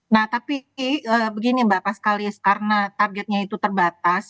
nah tapi begini mbak pas kalis karena targetnya itu terbatas